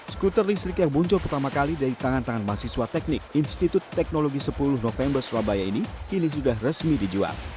skuter listrik yang muncul pertama kali dari tangan tangan mahasiswa teknik institut teknologi sepuluh november surabaya ini kini sudah resmi dijual